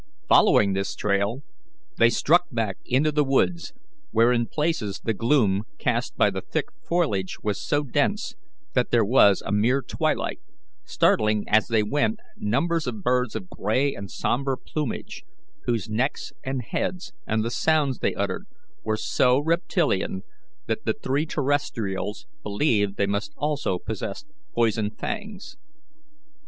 Following this trail, they struck back into the woods, where in places the gloom cast by the thick foliage was so dense that there was a mere twilight, startling as they went numbers of birds of grey and sombre plumage, whose necks and heads, and the sounds they uttered, were so reptilian that the three terrestrials believed they must also possess poison fangs.